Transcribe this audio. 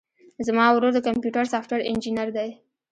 زما ورور د کمپيوټر سافټوېر انجينر دی.